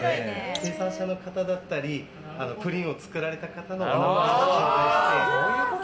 生産者の方だったりプリンを作られた方のお名前を紹介して。